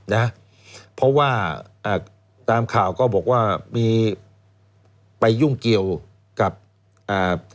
นะเพราะว่าอ่าตามข่าวก็บอกว่ามีไปยุ่งเกี่ยวกับอ่า